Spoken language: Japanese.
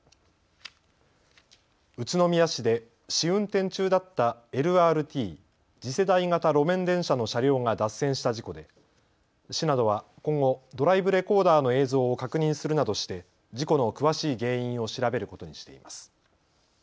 宇都宮市で試運転中だったＬＲＴ・次世代型路面電車の車両が脱線した事故で、市などは今後ドライブレコーダーの映像を確認するなどして事故の詳しい原因を調べることにしています。